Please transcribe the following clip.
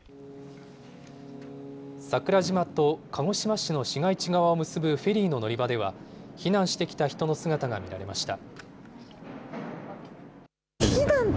桜島と鹿児島市の市街地側を結ぶフェリーの乗り場では、避難してきた人の姿が見られました。